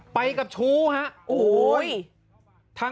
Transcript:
ไปกับชู้ฮะ